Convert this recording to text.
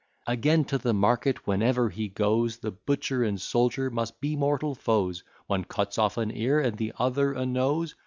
Again, to the market whenever he goes, The butcher and soldier must be mortal foes, One cuts off an ear, and the other a nose.